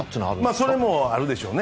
それもあるでしょうね。